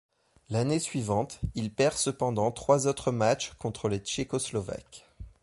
L'année suivante, il perd cependant trois autres matchs contre les tchécoslovaques.